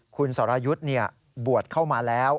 คุณสรยุทธ์บวชเข้ามาแล้ว